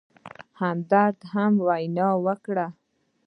همدرد هم وینا وکړه.